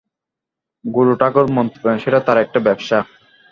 গুরুঠাকুর মন্ত্র দেন, সেটা তার একটা ব্যবসা।